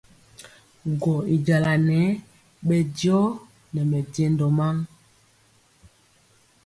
Gɔ y jala nɛɛ bɛ diɔ nɛ mɛjɛndɔ maa.